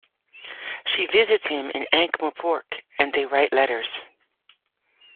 She visits him in Ankh-Morpork, and they write letters.